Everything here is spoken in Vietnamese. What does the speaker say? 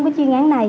cái chuyên án